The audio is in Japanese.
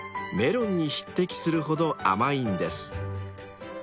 ［メロンに匹敵するほど甘いんです］